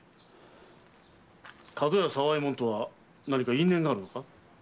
角屋沢右衛門とは何か因縁があるのか？